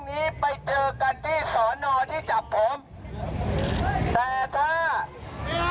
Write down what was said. มันไม่หมูเหมือนที่พวกมึงคิดหลักนะ